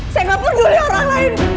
saya gak peduli orang